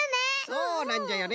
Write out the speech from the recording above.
そうなんじゃよね。